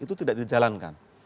itu tidak dijalankan